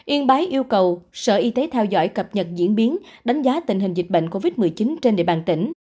yên bái yêu cầu sở y tế theo dõi cập nhật diễn biến đánh giá tình hình dịch bệnh covid một mươi chín trên địa bàn tỉnh